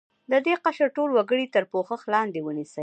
د دې قشر ټول وګړي تر پوښښ لاندې ونیسي.